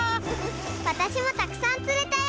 わたしもたくさんつれたよ！